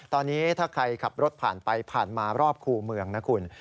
ตอนนี้ถ้าใครขับรถผ่านไปผ่านมารอบคู่เมืองนะคุณ